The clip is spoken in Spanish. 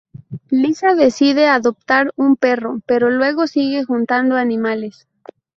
Lisa decide adoptar un perro, pero luego sigue juntando animales.